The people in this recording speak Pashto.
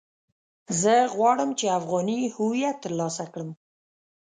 زه غواړم چې افغاني هويت ترلاسه کړم.